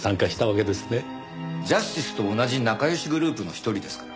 正義と同じ仲良しグループの一人ですから。